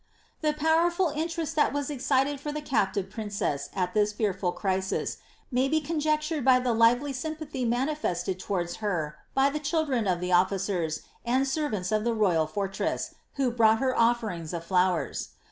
^' The powerful interest that was excited for the captive princess at this fetrful crisis, may be conjectured by the lively sympathy manifested to wards her by the children of the officers and servants of the royal fop tres8« who brought her ofierings of flowers.